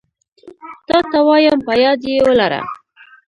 تاته وايم په ياد يي ولره